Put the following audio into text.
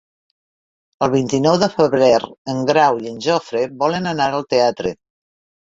El vint-i-nou de febrer en Grau i en Jofre volen anar al teatre.